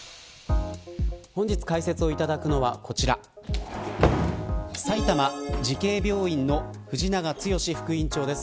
本日、解説をいただくのはこちら埼玉慈恵病院の藤永剛副院長です。